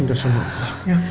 minta salam allah ya